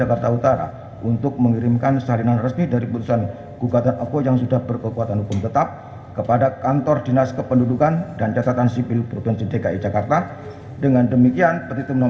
pertama penggugat akan menerjakan waktu yang cukup untuk menerjakan si anak anak tersebut yang telah menjadi ilustrasi